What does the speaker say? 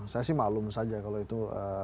saya sih malum saja kalau itu